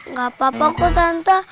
nggak apa apa kak santa